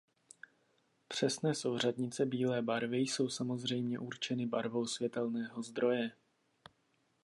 Přesné souřadnice bílé barvy jsou samozřejmě určeny barvou světelného zdroje.